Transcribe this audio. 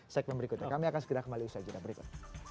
segmen berikutnya kami akan segera kembali usaha jadwal berikut